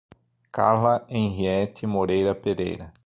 Carla Henriete Moreira Pereira